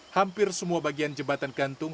hampir semua bagian jembatan gantung